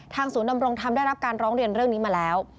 ศูนย์ดำรงธรรมได้รับการร้องเรียนเรื่องนี้มาแล้ว